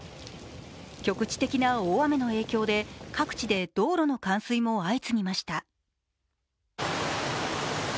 局地的な大雨の影響が各地で道路の冠水も相次ぎました。